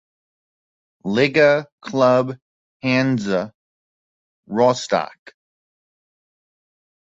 Liga club Hansa Rostock.